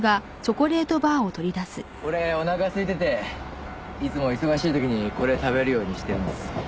俺お腹すいてていつも忙しい時にこれ食べるようにしてるんです。